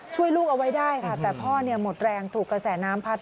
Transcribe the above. ช่วยลูกเอาไว้ได้ค่ะแต่พ่อหมดแรงถูกกระแสน้ำพัด